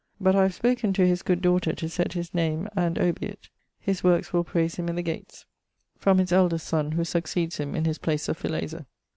But I have spoken to his good daughter to sett his name and obiit. His workes will praise him in the gates. From his eldest sonne, who succeeds him in his place of filazer.